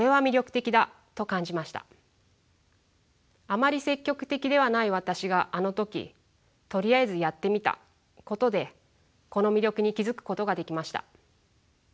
あまり積極的ではない私があの時とりあえずやってみたことでこの魅力に気付くことができました。